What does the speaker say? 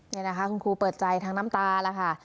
นี่นะคะคุณครูเปิดใจทั้งน้ำตาแล้วค่ะ